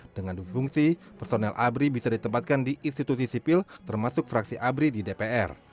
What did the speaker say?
dengan dufungsi personel abri bisa ditempatkan di institusi sipil termasuk fraksi abri di dpr